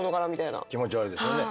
気持ち悪いですよね。